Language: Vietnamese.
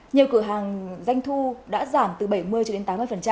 nhiều cửa hàng doanh thu đã giảm từ bảy mươi cho đến tám mươi